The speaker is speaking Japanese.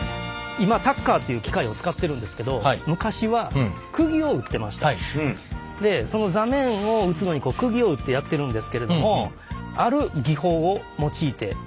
今タッカーっていう機械を使ってるんですけどその座面を打つのにくぎを打ってやってるんですけれどもある技法を用いてやります。